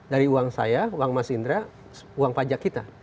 dari uang saya uang mas indra uang pajak kita